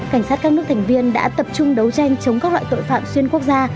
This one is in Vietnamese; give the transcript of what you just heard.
cảnh sát các nước thành viên đã tập trung đấu tranh chống các loại tội phạm xuyên quốc gia